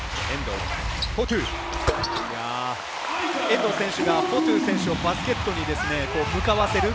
遠藤選手がフォトゥ選手をバスケットに向かわせる。